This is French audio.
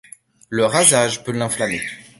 Le rasage peut l'inflammer.